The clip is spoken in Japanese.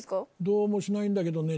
どうもしないんだけどね